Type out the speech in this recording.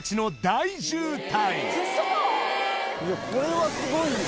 これはすごいよ。